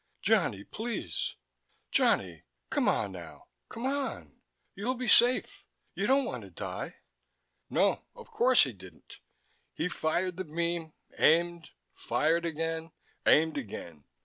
"Johnny, please ... Johnny ... come on, now. Come on. You'll be safe. You don't want to die...." No, of course he didn't. He fired the beam, aimed, fired again, aimed again.